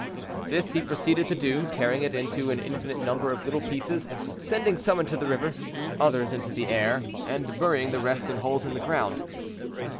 This he proceeded to do; tearing it into an infinite number of little pieces, sending some into the river, others into the air, and burying the rest in holes in the ground.